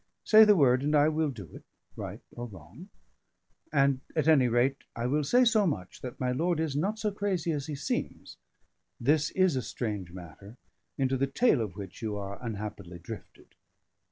Say the word, and I will do it, right or wrong. And, at any rate, I will say so much, that my lord is not so crazy as he seems. This is a strange matter, into the tail of which you are unhappily drifted."